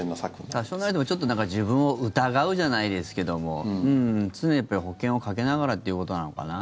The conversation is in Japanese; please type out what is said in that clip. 多少なりとも自分を疑うじゃないですけども常に保険をかけながらということなのかな。